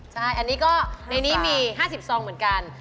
ใช่อันนี้ก็ในนี้มี๕๐ซองเหมือนกัน